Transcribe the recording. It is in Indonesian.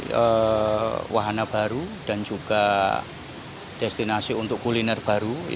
jadi wahana baru dan juga destinasi untuk kuliner baru